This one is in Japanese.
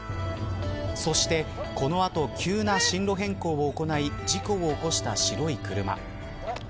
そして、この後急な進路変更を行い事故を起こした白い車。